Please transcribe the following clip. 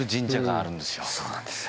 そうなんですよ。